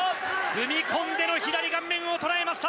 踏み込んでの、左顔面捉えました！